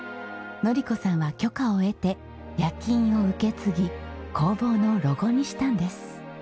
のり子さんは許可を得て焼き印を受け継ぎ工房のロゴにしたんです。